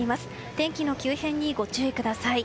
天気の急変にご注意ください。